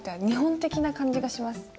日本的な感じがします。